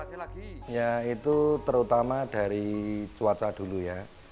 ya itu terutama dari cuaca dulu ya